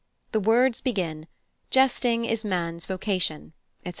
The words begin, "Jesting is man's vocation," etc.